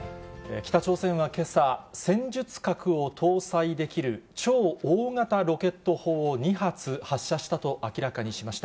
北朝鮮はけさ、戦術核を搭載できる超大型ロケット砲を２発発射したと明らかにしました。